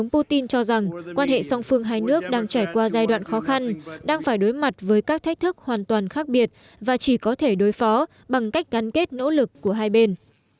putin cho rằng quan hệ song phương hai nước đang trải qua giai đoạn khó khăn đang phải đối mặt với các thách thức hoàn toàn khác biệt và chỉ có thể đối phó bằng cách gắn kết nỗ lực của hai bên